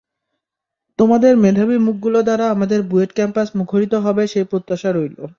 তোমাদের মেধাবী মুখগুলো দ্বারা আমাদের বুয়েট ক্যাম্পাস মুখরিত হবে, সেই প্রত্যশা রইল।